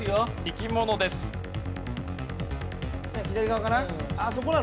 左側かな？